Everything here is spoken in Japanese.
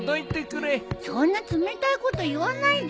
そんな冷たいこと言わないでよ！